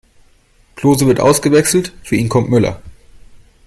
Klose wird ausgewechselt, für ihn kommt Müller.